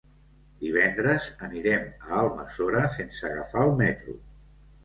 Divendres anirem a Almassora sense agafar el metro.